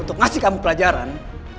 untuk ngasih kamu pelajaran